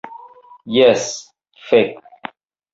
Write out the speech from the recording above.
Jes, fek.